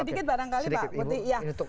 sedikit barangkali pak